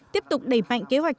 tiếp tục đẩy mạnh kế hoạch